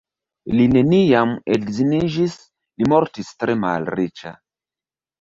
Li neniam edziniĝis, li mortis tre malriĉa.